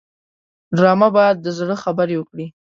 ډرامه باید د زړه خبرې وکړي